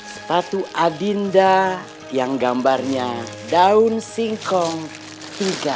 sepatu adinda yang gambarnya daun singkong tiga